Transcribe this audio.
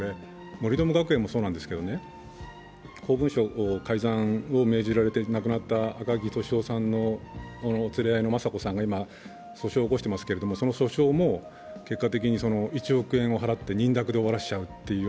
森友学園もそうなんですけど、公文書改ざんを命じられて亡くなった赤木俊夫さんの連れ合いの雅子さんが今、訴訟を起こしてますけど、その訴訟も結果的に１億円を払って認諾で終わらせてしまう。